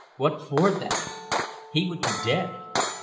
What for, then? He would be dead.